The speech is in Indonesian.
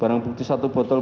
barang bukti satu botol